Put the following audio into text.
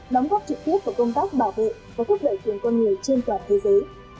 đóng góp trực tiếp vào công tác bảo vệ và thúc đẩy quyền con người trên toàn thế giới